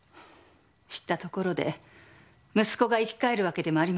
知ったところで息子が生き返るわけでもありませんし。